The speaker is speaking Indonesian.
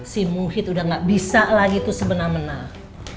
si muhyidd udah nggak bisa lagi tuh sebenar menar